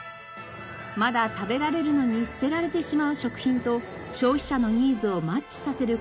まだ食べられるのに捨てられてしまう食品と消費者のニーズをマッチさせる